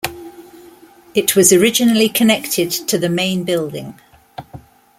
It was originally connected to the main building.